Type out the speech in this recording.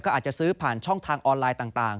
ก็อาจจะซื้อผ่านช่องทางออนไลน์ต่าง